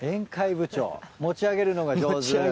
持ち上げるのが上手。